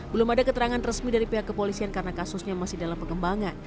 belum ada keterangan resmi dari pihak kepolisian karena kasusnya masih dalam pengembangan